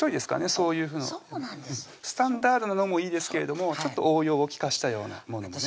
そういうのスタンダードなのもいいですけれどもちょっと応用を利かしたようなものもね